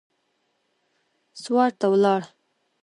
سوات ته ولاړ.